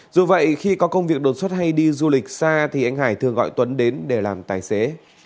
dù vậy khi có công việc đột xuất hay đi du lịch xa thì anh hải thường gọi tuấn đến để làm tài xế